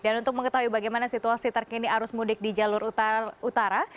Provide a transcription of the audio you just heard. dan untuk mengetahui bagaimana situasi terkini arus mudik di jalur utara